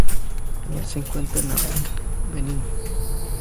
Se encuentran en África: Benín.